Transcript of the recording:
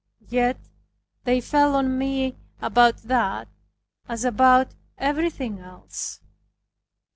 Yet they fell on me about that, as about everything else.